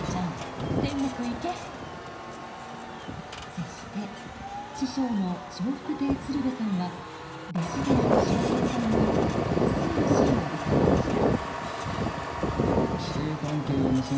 そして師匠の笑福亭鶴瓶さんは弟子である笑瓶さんの早すぎる死を悼みました。